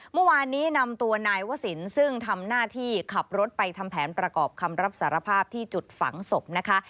เมื่อวานนี้นำตัวนายวศิลป์ซึ่งทำหน้าที่ขับรถไปทำแผนประกอบคำรับสารภาพที่จุดฝังศพนะคะ